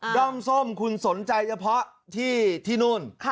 ้อมส้มคุณสนใจเฉพาะที่นู่น